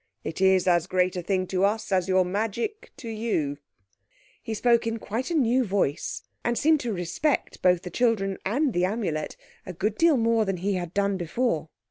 It is as great a thing to us as your magic to you." He spoke in quite a new voice, and seemed to respect both the children and the Amulet a good deal more than he had done before.